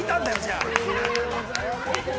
◆ありがとうございます。